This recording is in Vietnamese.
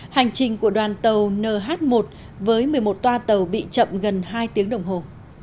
hành trình của đoàn tàu nh một với một mươi một toa tàu bị chậm gần hai tiếng đồng hồ